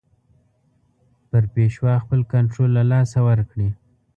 پر پېشوا خپل کنټرول له لاسه ورکړي.